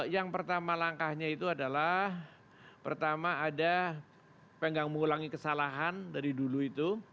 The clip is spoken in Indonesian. yang pertama langkahnya itu adalah pertama ada pegang mengulangi kesalahan dari dulu itu